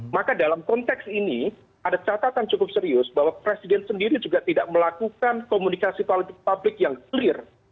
maka dalam konteks ini ada catatan cukup serius bahwa presiden sendiri juga tidak melakukan komunikasi politik publik yang clear